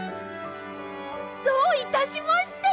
どういたしまして！